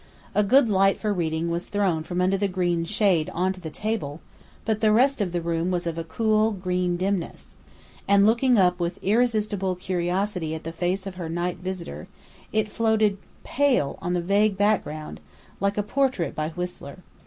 A good light for reading was thrown from under the green shade on to the table, but the rest of the room was of a cool, green dimness; and, looking up with irresistible curiosity at the face of her night visitor, it floated pale on a vague background, like a portrait by Whistler.